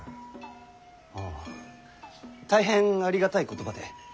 ああ大変ありがたい言葉で汚れ。